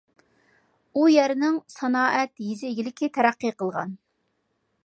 ئۇ يەرنىڭ سانائەت، يېزا ئىگىلىكى تەرەققىي قىلغان.